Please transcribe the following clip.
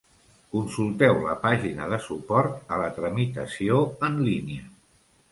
Consulteu la pàgina de suport a la tramitació en línia.